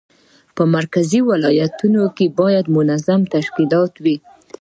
په مرکز او ولایاتو کې باید منظم تشکیلات وي.